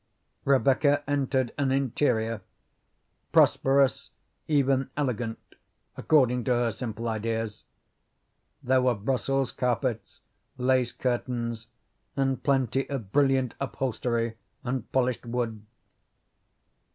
Rebecca entered an interior, prosperous, even elegant, according to her simple ideas. There were Brussels carpets, lace curtains, and plenty of brilliant upholstery and polished wood.